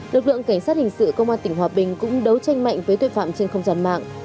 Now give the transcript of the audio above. lực lượng cảnh sát hình sự công an tỉnh hòa bình cũng đấu tranh mạnh với tội phạm trên không gian mạng